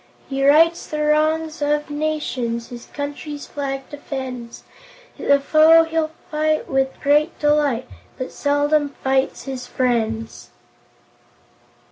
He rights the wrongs of nations, His country's flag defends, The foe he'll fight with great delight, But seldom fights his friends."